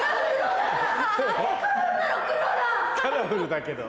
カラフルだけど。